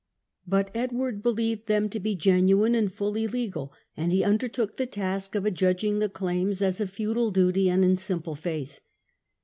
But Edward believed them to be genuine and fully legal, and he undertook the task of adjudging the claims as a feudal duty and in simple faith.